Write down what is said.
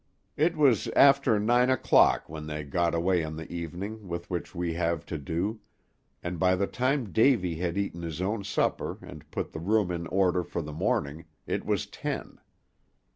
It was after nine o'clock when they got away on the evening with which we have to do, and by the time Davy had eaten his own supper and put the room in order for the morning, it was ten.